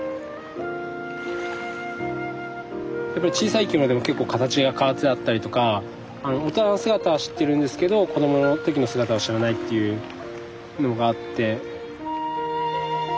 やっぱり小さい生き物でも結構形が変わったやつだったりとか大人の姿は知ってるんですけど子どもの時の姿を知らないというのがあって。